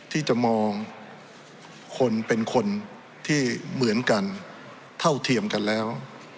ที่จะมองคนเป็นคนที่เหมือนกันเท่าเทียมกันแล้ว